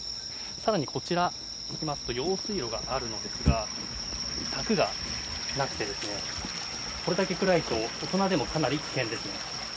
更にこちら、用水路があるのですが柵がなくて、これだけ暗いと大人でもかなり危険ですね。